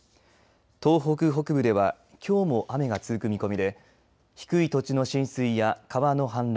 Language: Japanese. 東北北部ではきょうも雨が続く見込みで低い土地の浸水や川の氾濫